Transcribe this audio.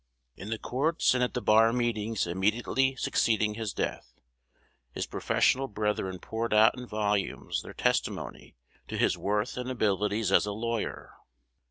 In the courts and at the bar meetings immediately succeeding his death, his professional brethren poured out in volumes their testimony to his worth and abilities as a lawyer.